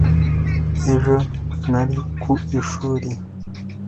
ejo nari ku ishuri